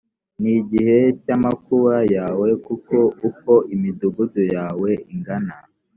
ni igihe cy amakuba yawe kuko uko imidugudu yawe ingana